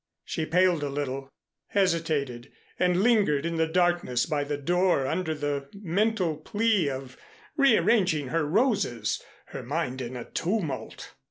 She paled a little, hesitated and lingered in the darkness by the door under the mental plea of rearranging her roses, her mind in a tumult.